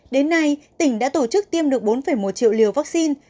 đến nay tỉnh đã tổ chức tiêm được bốn một triệu liều vaccine